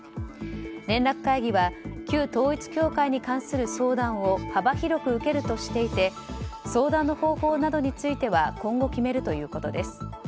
連絡会議は旧統一教会に関する相談を幅広く受けるとしていて相談の方法などについては今後、決めるということです。